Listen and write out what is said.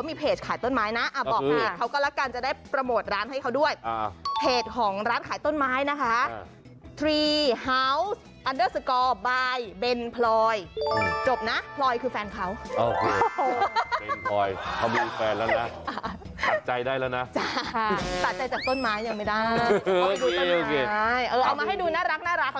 นี่อย่างนี้พอดูไปแล้วก็ยิ้ม